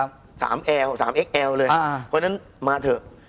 เพราะฉะนั้นมาเถอะ